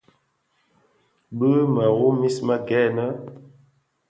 Bi mëru mis më gènè.